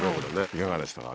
いかがでしたか？